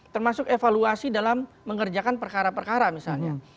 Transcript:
termasuk evaluasi dalam mengerjakan perkara perkara misalnya